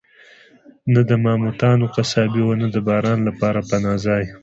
نه د ماموتانو قصابي وه، نه د باران لپاره پناه ځای.